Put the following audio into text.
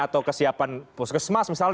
atau kesiapan puskesmas misalnya